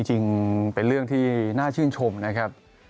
จริงเป็นเรื่องที่น่าชื่นชมนะครับ